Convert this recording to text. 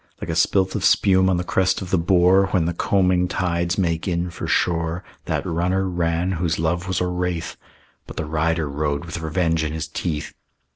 Like a spilth of spume on the crest of the bore When the combing tides make in for shore, That runner ran whose love was a wraith; But the rider rode with revenge in his teeth.